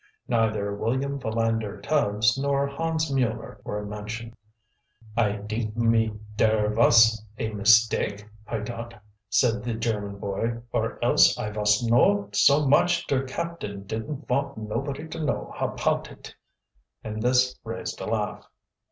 Neither William Philander Tubbs nor Hans Mueller were mentioned. "I dink me dere vos a mistake py dot," said the German boy. "Or else I vos know so much der captain didn't vont nobody to know apout it," and this raised a laugh.